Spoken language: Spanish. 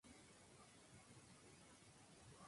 Produjo el disco Dj Raff.